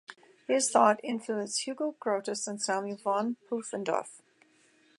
His thought influenced Hugo Grotius and Samuel von Pufendorf.